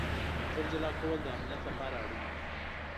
د موټر جلا کول د امنیت لپاره اړین دي.